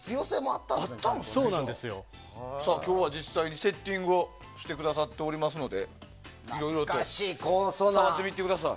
今日は実際にセッティングしてくださっていますのでいろいろと触ってみてください。